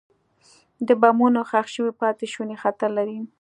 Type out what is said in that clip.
د بمونو ښخ شوي پاتې شوني خطر لري.